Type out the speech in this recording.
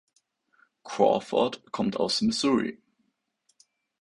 Crawford kommt aus Missouri.